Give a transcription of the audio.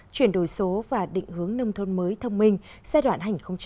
chuyển đổi số và định hướng nông thôn mới thông minh giai đoạn hai nghìn hai mươi một hai nghìn hai mươi năm